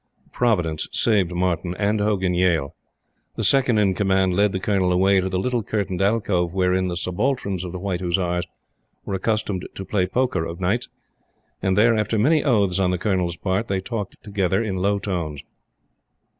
Providence saved Martyn and Hogan Yale. The Second in Command led the Colonel away to the little curtained alcove wherein the subalterns of the white Hussars were accustomed to play poker of nights; and there, after many oaths on the Colonel's part, they talked together in low tones.